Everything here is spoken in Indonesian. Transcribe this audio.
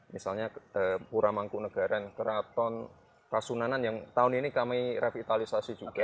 misalnya pura mangkunegaran keraton kasunanan yang tahun ini kami revitalisasi juga